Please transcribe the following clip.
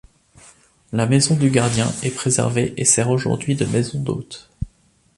La maison du gardien est préservée et sert aujourd'hui de maison d'hôtes.